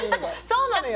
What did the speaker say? そうなのよ。